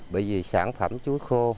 bởi vì sản phẩm chuối khô